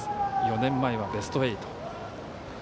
４年前はベスト８。